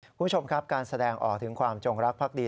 คุณผู้ชมครับการแสดงออกถึงความจงรักภักดี